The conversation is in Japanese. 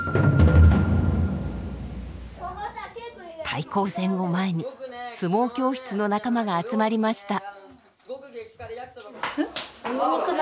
対抗戦を前に相撲教室の仲間が集まりました。